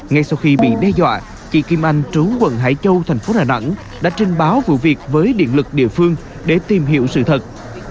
ngay sau khi bị đe dọa chị kim anh trú quận hải châu thành phố đà nẵng đã trình báo vụ việc với điện lực địa phương để tìm hiểu sự thật